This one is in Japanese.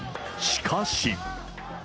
しかし。